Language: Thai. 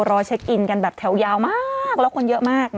รอเช็คอินกันแบบแถวยาวมากแล้วคนเยอะมาก